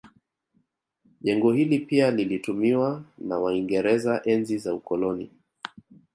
Jengo hili pia lilitumiwa na waingereza enzi za ukoloni